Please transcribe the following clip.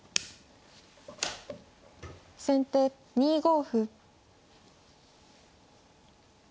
先手２五歩。